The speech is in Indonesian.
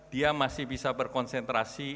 dia masih bisa berkonsentrasi